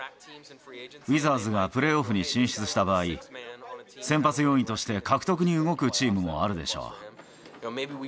ウィザーズがプレーオフに進出した場合、先発要員として獲得に動くチームもあるでしょう。